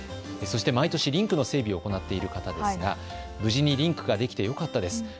毎年リンクの整備を行っている方ですが無事にリンクができてよかったです。